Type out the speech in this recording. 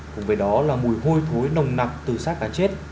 cùng với đó là mùi hôi thối nồng nặc từ sát cá chết